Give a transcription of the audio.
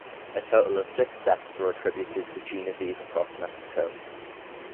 A total of six deaths were attributed to Genevieve across Mexico.